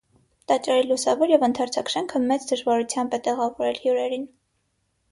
Տաճարի լուսավոր և ընդարձակ շենքը մեծ դժվարությամբ է տեղավորել հյուրերին։